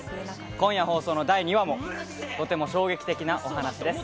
今夜放送の第２話もとても衝撃的なお話です。